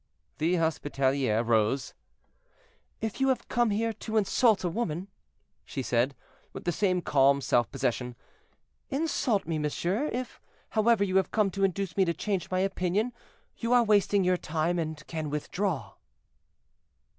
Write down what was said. The hospitaliere rose. "If you come here to insult a woman," she said, with the same calm self possession, "insult me, monsieur; if, however, you have come to induce me to change my opinion, you are wasting your time, and can withdraw."